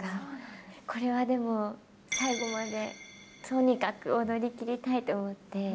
これはでも、最後までとにかく踊りきりたいと思って。